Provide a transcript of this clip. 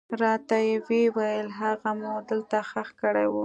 راته ويې ويل هغه مو دلته ښخ کړى و.